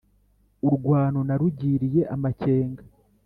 Urwano narugiriye amakenga,